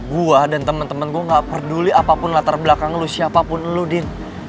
gue dan temen temen gue gak peduli apapun latar belakang lu siapapun lu din